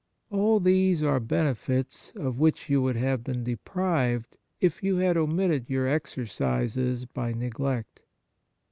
All these are benefits of which you would have been deprived, if you had omitted your exercises by neglect.